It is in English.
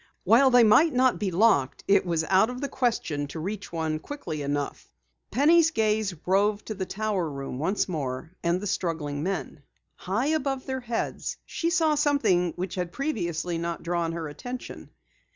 While they might not be locked, it was out of the question to reach one quickly enough. Penny's gaze roved to the tower room once more, and the struggling men. High above their heads she saw something which previously had not drawn her attention.